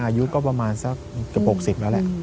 อายุก็ประมาณสักเกือบ๖๐แล้วแหละ